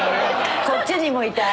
こっちにもいた。